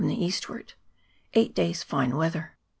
the eastward. Eight days tine weather.